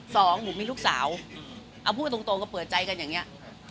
สองผมมีลูกสาวเอาพูดตรงก็เปิดใจกันอย่างเงี้ย